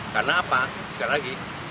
karena apa sekali lagi